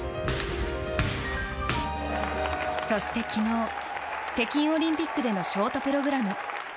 そして、昨日北京オリンピックでのショートプログラム。